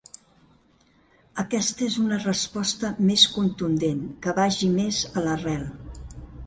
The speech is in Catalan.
Aquesta és una resposta més contundent que vagi més a l’arrel.